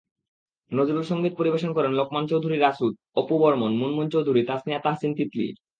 নজরুলসংগীত পরিবেশন করেন লোকমান চৌধুরী রাসু, অপু বর্মণ, মুনমুন চৌধুরী, তাসনিয়া তাহসিন তিতলি।